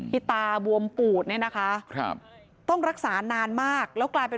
ที่ตาบวมปูดนี่นะคะต้องรักษานานมาก